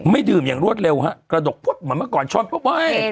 ไม่ดื่มอย่างรวดเร็วฮะกระดกพุดเหมือนเมื่อก่อนช้อนพอไป